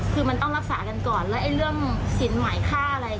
คือมันต้องรักษากันก่อนแล้วเรื่องสินหมายค่าอะไรอย่างนี้